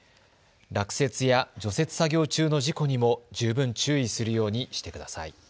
落雪や除雪作業中の事故にも十分注意するようにしてください。